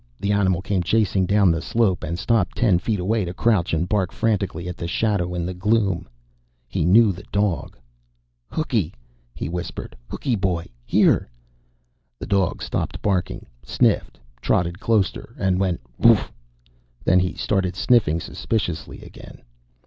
The animal came chasing down the slope, and stopped ten feet away to crouch and bark frantically at the shadow in the gloom. He knew the dog. "Hooky!" he whispered. "Hooky boy here!" The dog stopped barking, sniffed, trotted closer, and went "Rrrooff!" Then he started sniffing suspiciously again.